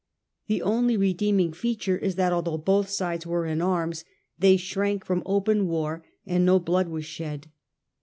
The only redeeming feature is that, although both sides were in arms, they shrank from open war, and no blood was shed.